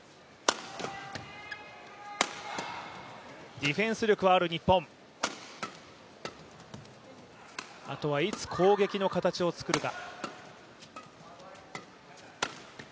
ディフェンス力はある日本、あとはいつ攻撃の形をつくるか。